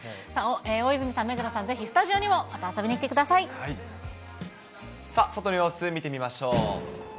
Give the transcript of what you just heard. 大泉さん、目黒さん、ぜひスタジさあ、外の様子見てみましょう。